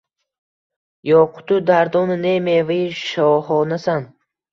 Yoqutu dardona ne, mevai shohonasan.